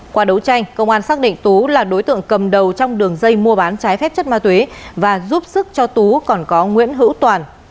qua đấu tranh công an xác định tú là đối tượng cầm đầu trong đường dây mua bán trái phép chất ma túy và giúp sức cho tú còn có nguyễn hữu toàn